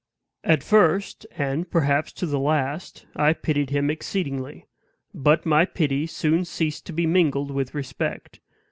At first, and perhaps to the last, I pitied him exceedingly. But my pity soon ceased to be mingled with respect.